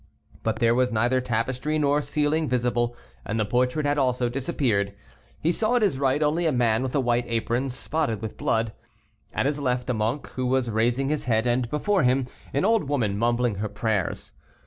But there was neither tapestry nor ceiling visible, and the portrait had also disappeared. He saw at his right only a man with a white apron spotted with blood; at his left, a monk, who was raising his head; and before him, an old woman mumbling her prayers.